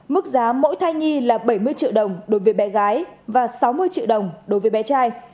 mức giá mỗi thai nhi là bảy mươi triệu đồng đối với bé gái và sáu mươi triệu đồng đối với bé trai